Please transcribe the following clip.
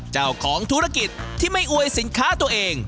เจ้าของธุรกิจที่ไม่อวยสินค้าตัวเอง